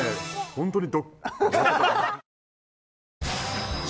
ホントに」